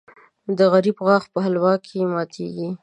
د غریب غاښ په حلوا کې ماتېږي .